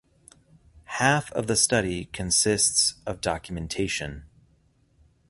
Half of the study consists of documentation.